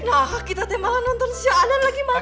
eh nah kita teman teman nonton si alan lagi makan ya